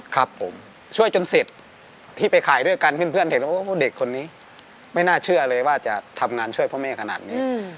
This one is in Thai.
ครับผมช่วยจนเสร็จที่ไปขายด้วยกันเพื่อนเห็นว่าเด็กคนนี้ไม่น่าเชื่อเลยว่าจะทำงานช่วยพ่อแม่ขนาดนี้